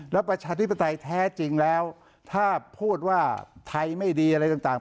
แล้วประชาธิปไตยแท้จริงแล้วถ้าพูดว่าไทยไม่ดีอะไรต่าง